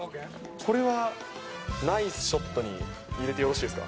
これはナイスショットに入れてよろしいですか？